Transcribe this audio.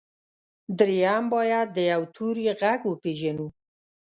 درېيم بايد د يوه توري غږ وپېژنو.